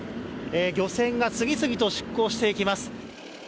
漁船が次々と出航していきます。